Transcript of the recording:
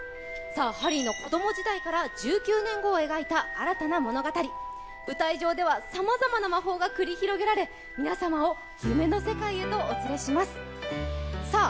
さあハリーの子供時代から１９年後を描いた新たな物語舞台上ではさまざまな魔法が繰り広げられ皆様を夢の世界へとお連れしますさあ